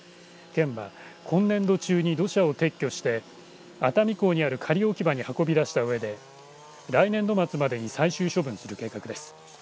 県は、今年度中に土砂を撤去して熱海港にある仮置き場に運び出したうえで来年度末までに最終処分する計画です。